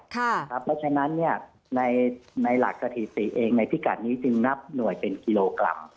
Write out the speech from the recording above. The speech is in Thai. เพราะฉะนั้นในหลักสถิติเองในพิกัดนี้จึงนับหน่วยเป็นกิโลกรัม